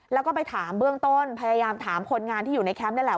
แล้วก็ไปถามเบื้องต้นพยายามถามคนงานที่อยู่ในแคมป์นี่แหละ